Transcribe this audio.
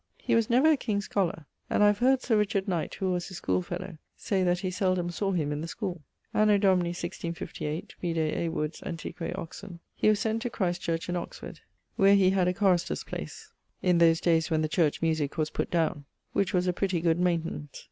He was never a King's Scholar, and I have heard Sir Richard Knight (who was his school fellow) say that he seldome sawe him in the schoole. Anno Domini <1658> (vide A. Wood's Antiq. Oxon.) he was sent to Christ Church in Oxford, where he had a chorister's place (in those dayes when the church musique was putt downe), which was a pretty good maintenance.